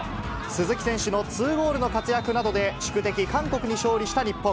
鈴木選手の２ゴールの活躍などで、宿敵、韓国に勝利した日本。